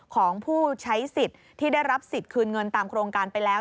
ของผู้ใช้สิทธิ์ที่ได้รับสิทธิ์คืนเงินตามโครงการไปแล้ว